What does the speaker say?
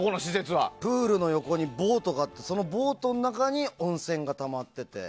プールの横にボートがあってそのボートの中に温泉がたまってて。